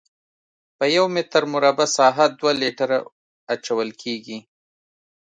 په یو متر مربع ساحه دوه لیټره اچول کیږي